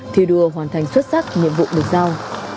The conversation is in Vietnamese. thì đùa hoàn thành xuất sắc nhiệm vụ được giao